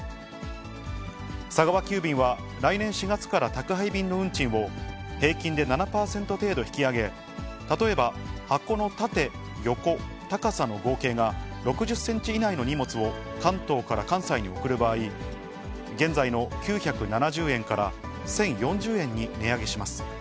佐川急便は、来年４月から宅配便の運賃を平均で７％程度引き上げ、例えば、箱の縦、横、高さの合計が６０センチ以内の荷物を関東から関西に送る場合、現在の９７０円から１０４０円に値上げします。